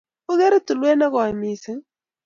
ogeere tulwet nekooi mising